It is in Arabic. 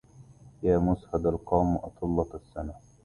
يا مسهد القوم أطلت السنة